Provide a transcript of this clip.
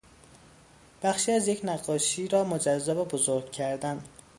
بخشی از یک نقاشی را مجزا و بزرگ کردن